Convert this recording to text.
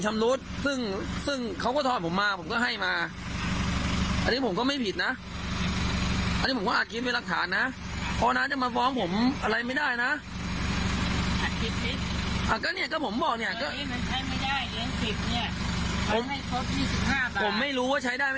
ชาย